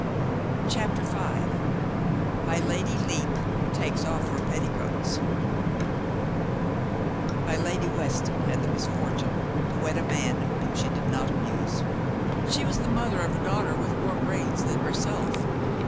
CHAPTER FIVE MY LADY LEPE TAKES OFF HER PETTICOATS MY LADY WESTON had the misfortune to wed a man whom she did not amuse. She was the mother of a daughter with more brains than her self.